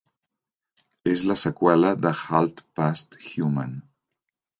És la seqüela de "Hald Past Human".